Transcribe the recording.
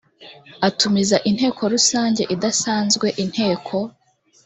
atumiza inteko rusange idasanzwe inteko